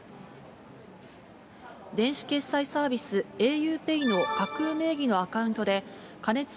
電子決済サービス、ａｕＰＡＹの架空名義のアカウントで加熱式